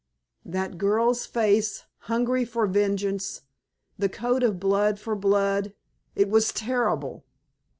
That girl's face, hungry for vengeance, the code of blood for blood it was terrible.